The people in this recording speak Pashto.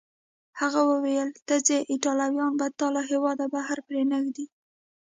هغه وویل: ته ځې، ایټالویان به تا له هیواده بهر پرېنږدي.